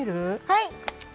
はい。